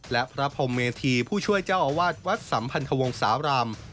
และพระพรมเมธีผู้ช่วยเจ้าอาวาสวัดสัมพันธวงศาลาม